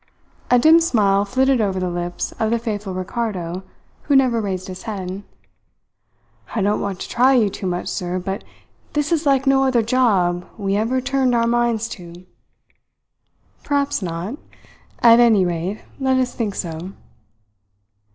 A dim smile flitted over the lips of the faithful Ricardo who never raised his head. "I don't want to try you too much, sir, but this is like no other job we ever turned our minds to." "Perhaps not. At any rate let us think so."